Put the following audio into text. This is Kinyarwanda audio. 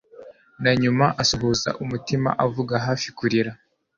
hanyuma asuhuza umutima avuga hafi kurira